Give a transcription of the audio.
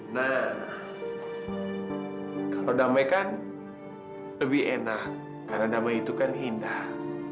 nah kalau damai kan lebih enak karena damai itu kan indah